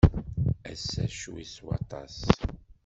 Ass-a ccwi s waṭas.